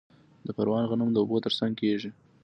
د پروان غنم د اوبو ترڅنګ کیږي.